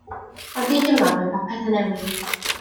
Ond un diwrnod mae popeth yn newid.